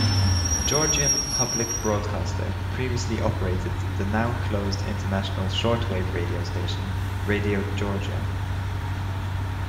Georgian Public Broadcaster previously operated the now-closed international shortwave radio station Radio Georgia.